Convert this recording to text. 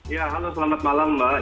ya halo selamat malam mbak